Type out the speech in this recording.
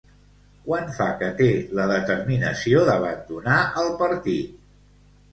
Quant fa que té la determinació d'abandonar el partit?